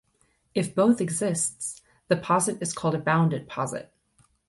If both exists, the poset is called a bounded poset.